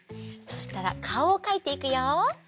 そしたらかおをかいていくよ！